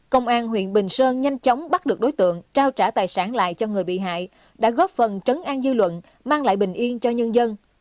công an huyện bình sơn nhanh chóng bắt được đối tượng trao trả tài sản lại cho người bị hại đã góp phần trấn an dư luận mang lại bình yên cho nhân dân